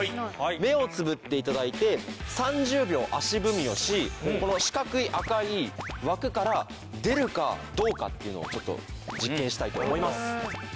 目をつぶって頂いて３０秒足踏みをしこの四角い赤い枠から出るかどうかっていうのをちょっと実験したいと思います。